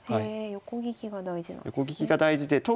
横利きが大事なんですね。